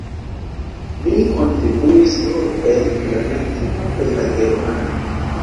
Li kontribuis nur en la latina kaj la germana.